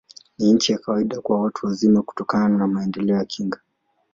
Ni chini ya kawaida kwa watu wazima, kutokana na maendeleo ya kinga.